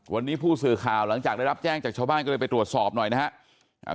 วันนี้ผู้สื่อข่าวหลังจากได้รับแจ้งจากชาวบ้านก็เลยไปตรวจสอบหน่อยนะครับ